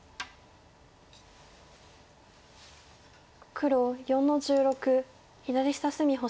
黒４の十六左下隅星。